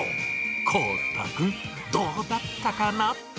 航大君、どうだったかな？